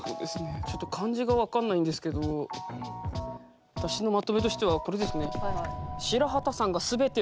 ちょっと漢字が分かんないんですけど私のまとめとしてはこれですね。